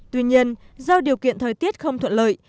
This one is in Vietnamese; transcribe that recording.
tuy nhiên do điều kiện thời tiết không thuận lợi